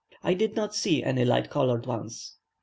I did not see any light coloured ones.